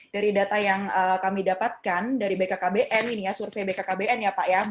dari data yang kami dapatkan dari bkkbn ini ya survei bkkbn ya pak ya